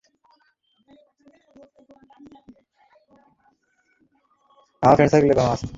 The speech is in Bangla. এতো বিমর্ষ কেনো?